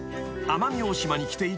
［奄美大島に来て１年］